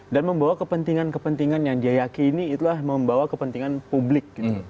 dan membawa kepentingan kepentingan yang dia yakini itulah membawa kepentingan publik